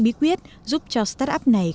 bí quyết giúp cho start up này